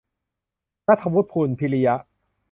นัฐวุฒิ พูนพิริยะ